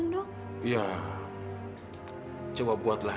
sudah gak usah